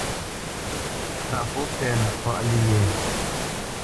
Ntaʼfo pɛ́nə páʼ lyé?